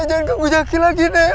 jangan ganggu jaki lagi nenek